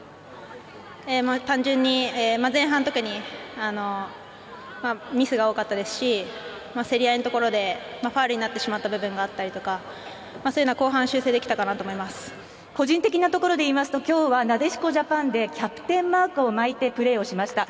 単純に前半、特にミスが多かったですし競り合いのところでファウルになってしまった部分があったりとかそういうのは後半個人的なところでいいますと今日なでしこジャパンでキャプテンマークを巻いてプレーをしました。